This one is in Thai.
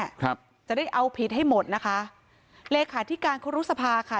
ครับจะได้เอาผิดให้หมดนะคะเลขาธิการครุสภาค่ะ